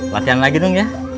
latihan lagi dung ya